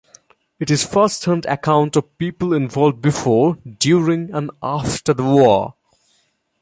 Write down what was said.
It is a firsthand account of people involved before, during and after the war.